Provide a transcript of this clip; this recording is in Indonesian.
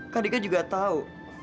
kak dika juga tahu